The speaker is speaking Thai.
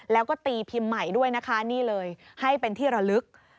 และก็ตีพิมพ์ใหม่ให้เป็นที่ระลึก